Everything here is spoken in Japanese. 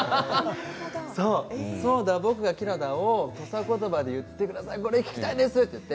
「そうだ僕がキラだ」を土佐言葉で言ってください聞きたいですって。